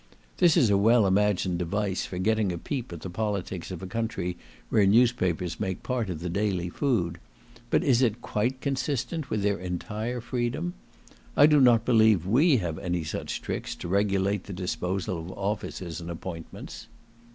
This is a well imagined device for getting a peep at the politics of a country where newspapers make part of the daily food, but is it quite consistent with their entire freedom? I do not believe we have any such tricks to regulate the disposal of offices and appointments.